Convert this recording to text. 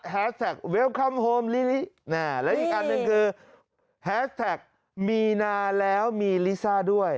แสกเวลคัมโฮมลิลิและอีกอันหนึ่งคือแฮสแท็กมีนาแล้วมีลิซ่าด้วย